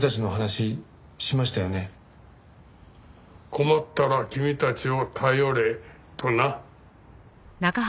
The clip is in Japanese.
困ったら君たちを頼れとな。